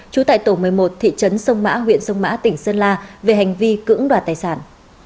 trú tại tổ một mươi một thị trấn sông mã huyện sông mã tỉnh sơn la về hành vi cưỡng đoạt tài sản